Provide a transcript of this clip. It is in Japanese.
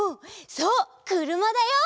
そうくるまだよ！